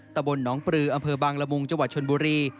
ตะบนน้องปลืออำเภอบางละมุงจชนบุรี